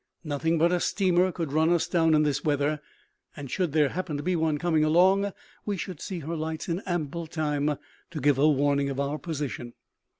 Nothing but a steamer could run us down in this weather; and, should there happen to be one coming along, we should see her lights in ample time to give her warning of our position."